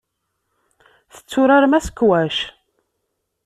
Tetturarem asekwac?